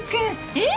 えっ？